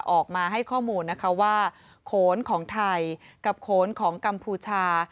ออกมาให้ข้อมูลนะคะว่าโขนของไทยกับโขนของกัมพูชา